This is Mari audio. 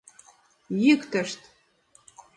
Йӱктышт!